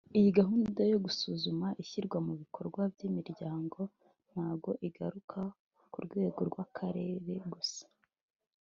Iyi gahunda yo gusuzuma ishyirwa mu bikorwa ry’imihigo ntago igarukira ku rwego rw’akarere gusa